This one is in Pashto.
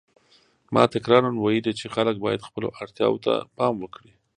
ما تکراراً ویلي چې خلک باید خپلو اړتیاوو ته پام وکړي.